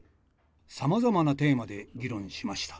さまざまなテーマで議論しました。